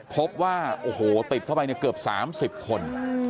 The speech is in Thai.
พบว่าโอ้โหติดเข้าไปเนี่ยเกือบ๓๐คน